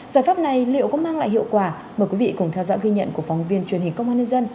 giải pháp này liệu có mang lại hiệu quả mời quý vị cùng theo dõi ghi nhận của phóng viên truyền hình công an nhân dân